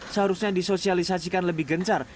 seharusnya disosialisasikan lebih gencar